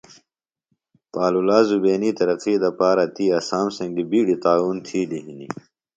پالولا زبینی ترقی دپارہ تی اسام سنگیۡ بیڈیۡ تعاون تھیلیۡ ہِنیۡ